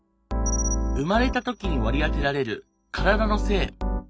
生まれた時に割り当てられる体の性。